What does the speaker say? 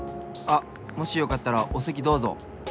あっもしよかったらおせきどうぞ。